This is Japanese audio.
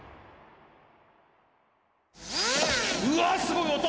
うわすごい音！